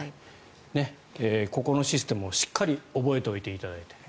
ここのシステムをしっかり覚えておいていただいて。